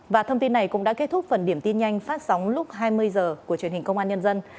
và thông tin này cũng đã kết thúc phần điểm tin nhanh phát sóng lúc hai mươi h của truyền hình công an nhân dân